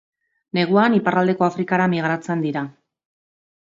Neguan iparraldeko Afrikara migratzen dira.